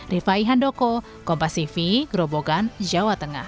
rifai handoko kompasivi gerobogan jawa tengah